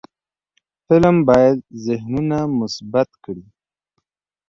فلم باید ذهنونه مثبت کړي